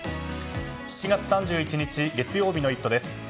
７月３１日、月曜日の「イット！」です。